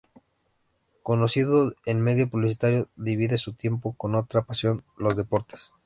Conocido el medio publicitario, divide su tiempo con otra pasión: los deportes.